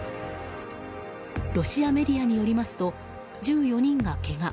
ロシアメディアによりますと１４人がけが。